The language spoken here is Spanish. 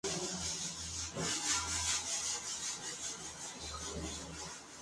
Concluyó con un juicio aprobatorio de la etapa experimental.